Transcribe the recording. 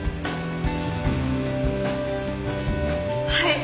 はい！